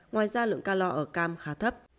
ngoài ra lượng calor ở cam khá thấp